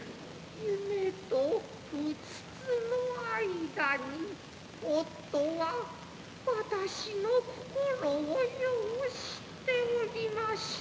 夢とうつつの間に夫は私の心をよう知っておりました。